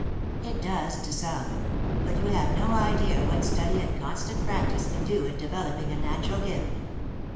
"It does, to some, but you have no idea what study and constant practice can do in developing a natural gift."